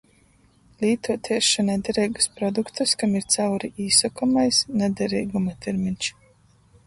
Lītuot iesšonai dereigus produktus, kam ir cauri īsokamais na dereiguma termeņš.